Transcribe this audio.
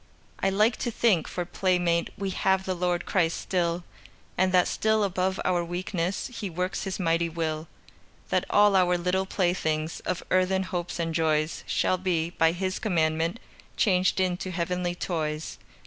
I like to think, for playmate We have the Lord Christ still, And that still above our weakness He works His mighty will, That all our little playthings Of earthen hopes and joys Shall be, by His commandment, Changed into heavenly toys.